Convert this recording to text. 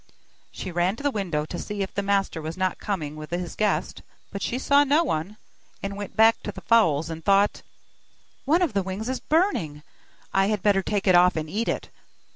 She ran to the window, to see if the master was not coming with his guest, but she saw no one, and went back to the fowls and thought: 'One of the wings is burning! I had better take it off and eat it.